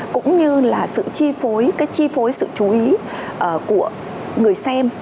cũng như là sự chi phối cái chi phối sự chú ý của người xem